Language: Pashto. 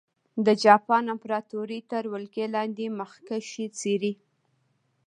د جاپان امپراتورۍ تر ولکې لاندې مخکښې څېرې.